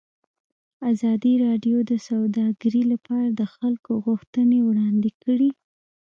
ازادي راډیو د سوداګري لپاره د خلکو غوښتنې وړاندې کړي.